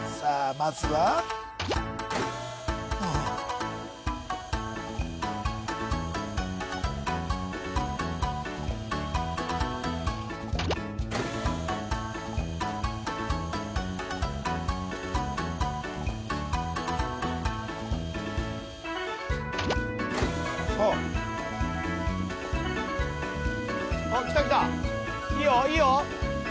まずははあおっきたきたいいよいいよ